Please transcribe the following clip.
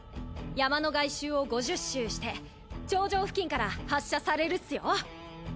山の外周を５０周して頂上付近から発射されるっすよ。